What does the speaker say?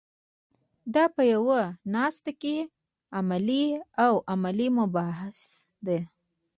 دا په یوه ناسته کې عملي او علمي مباحثه ده.